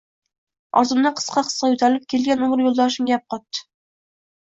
Ortimdan qisqa-qisqa yo`talib kelgan umr yo`ldoshim gap qotdi